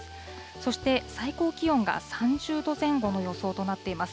そして最高気温が３０度前後の予想となっています。